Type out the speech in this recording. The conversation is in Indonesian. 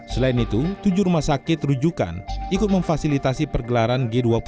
selain itu tujuh rumah sakit rujukan ikut memfasilitasi pergelaran g dua puluh